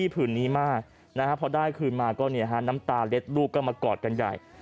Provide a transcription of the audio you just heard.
พอได้คืนมาก็เนี่ยน้ำตาเล็ดลูกก็มากอดกันใหญ่